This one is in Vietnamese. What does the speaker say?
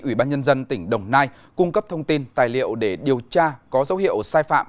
ủy ban nhân dân tỉnh đồng nai cung cấp thông tin tài liệu để điều tra có dấu hiệu sai phạm